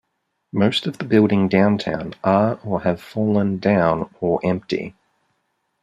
Most of the building downtown are or have fallen down or empty.